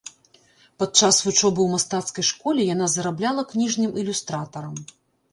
Падчас вучобы ў мастацкай школе яна зарабляла кніжным ілюстратарам.